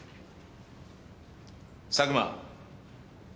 佐久間。